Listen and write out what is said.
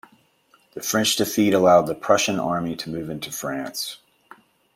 The French defeat allowed the Prussian army to move into France.